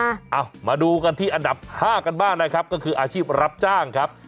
เอามาดูกันที่อันดับห้ากันบ้างนะครับก็คืออาชีพรับจ้างครับ